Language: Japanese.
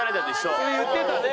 それ言ってたね！